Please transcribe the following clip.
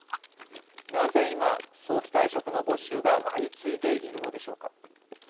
なぜ今、早期退職の募集が相次いでいるのでしょうか。